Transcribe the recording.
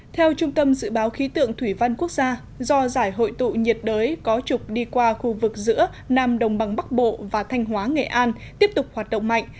theo trung tâm dự báo khí tượng thủy văn quốc gia do giải hội tụ nhiệt đới có trục đi qua khu vực giữa nam đồng bằng bắc bộ và thanh hóa nghệ an tiếp tục hoạt động mạnh